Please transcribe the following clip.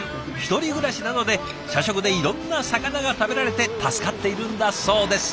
１人暮らしなので社食でいろんな魚が食べられて助かっているんだそうです。